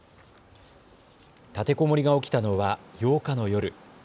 立てこもりが起きたのは８日の夜。